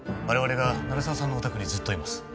我々が鳴沢さんのお宅にずっといます